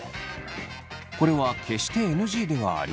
これは決してＮＧではありません。